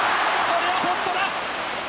これはポストだ。